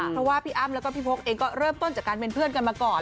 เพราะว่าพี่อ้ำแล้วก็พี่พกเองก็เริ่มต้นจากการเป็นเพื่อนกันมาก่อน